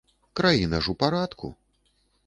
Краіна ж у парадку.